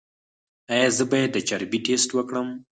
ایا زه باید د چربي ټسټ وکړم؟